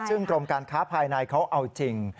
ซึ่งกรมการค้าภายในเขาเอาจริง